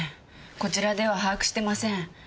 こちらでは把握してません。